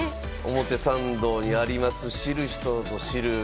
表参道にあります、知る人ぞ知る。